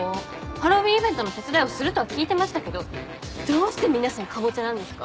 ハロウィーンイベントの手伝いをするとは聞いてましたけどどうして皆さんカボチャなんですか？